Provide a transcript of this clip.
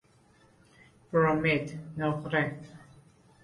برمید نقره